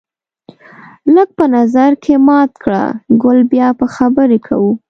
لږ په نظر کې مات کړه ګل بیا به خبرې کوو